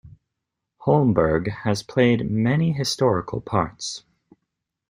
Holmberg has played many historical parts.